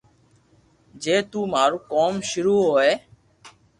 جي تو مارو ڪوم ݾروع ھوئي